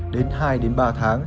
đến hai ba tháng